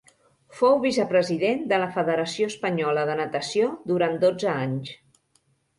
Fou vicepresident de la Federació Espanyola de Natació durant dotze anys.